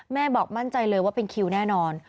บอกมั่นใจเลยว่าเป็นคิวแน่นอน